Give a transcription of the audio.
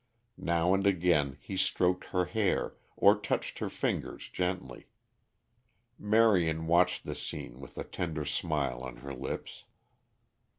Now and again he stroked her hair or touched her fingers gently. Marion watched the scene with a tender smile on her lips.